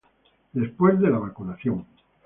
después de la vacunación